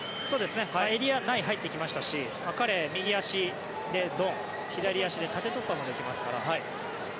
エリア内に入ってきましたし彼は右足でドン左足で縦突破もできますから。